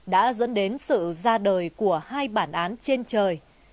đã dẫn đến sự ra đời của hai bản án trên trời